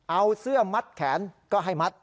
เอาเสื้อมัดแขนก็ให้มัด